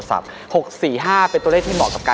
ปรับเปลี่ยนแรกกับอีกกว่า